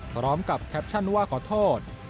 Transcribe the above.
พร้อมกับแคปชั่นว่าขอโทษ